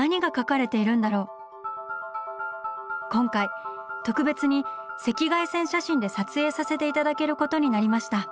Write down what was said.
今回特別に赤外線写真で撮影させていただけることになりました。